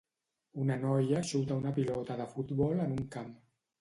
Una noia xuta una pilota de futbol en un camp.